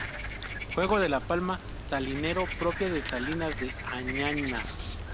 Juego de la palma "salinero": Propia de Salinas de Añana.